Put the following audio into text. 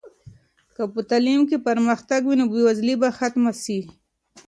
که په تعلیم کې پرمختګ وي نو بې وزلي به ختمه سي.